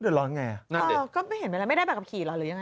เดือดร้อนไงอ่าก็ไม่เห็นไปแล้วไม่ได้ไปกับขี่หรอหรือยังไง